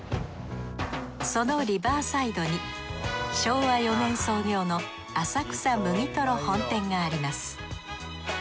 そのリバーサイドに昭和４年創業の浅草むぎとろ本店があります